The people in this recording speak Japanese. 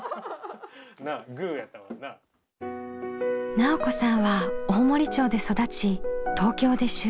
奈緒子さんは大森町で育ち東京で就職。